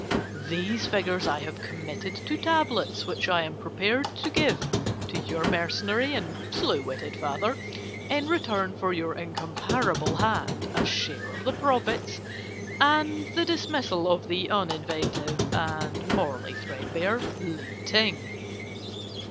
These figures I have committed to tablets, which I am prepared to give to your mercenary and slow witted father in return for your incomparable hand, a share of the profits, and the dismissal of the uninventive and morally threadbare Li Ting.